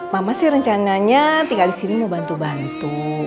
mama sih rencananya tinggal disini mau bantu bantu